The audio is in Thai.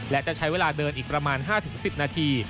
และจะใช้เวลาเดินอีกประมาณ๕๑๐นาที